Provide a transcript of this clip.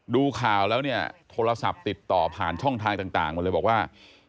ดูข่าวแล้วเนี่ยโทรศัพท์ติดต่อผ่านช่องทางต่างมาเลยบอกว่า